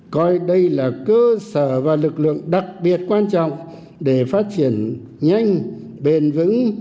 coi đây là cơ sở và lực lượng đặc biệt quan trọng để phát triển nhanh bền vững